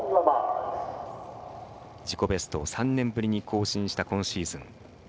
自己ベストを３年ぶりに更新した今シーズン。